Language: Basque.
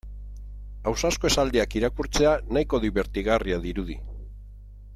Ausazko esaldiak irakurtzea nahiko dibertigarria dirudi.